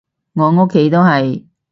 我屋企都係